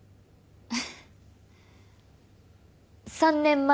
３年前。